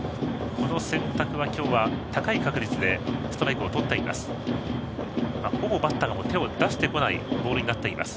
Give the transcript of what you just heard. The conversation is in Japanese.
この選択、今日は高い確率でストライクをとっています。